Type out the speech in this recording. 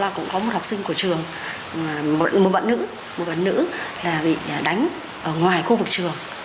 sự việc cũng không may xảy ra đó là cũng có một học sinh của trường một bạn nữ một bạn nữ là bị đánh ở ngoài khu vực trường